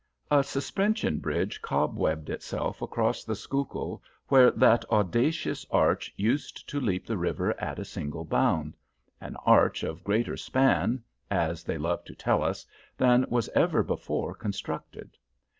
A suspension bridge cobwebbed itself across the Schuylkill where that audacious arch used to leap the river at a single bound, an arch of greater span, as they loved to tell us, than was ever before constructed.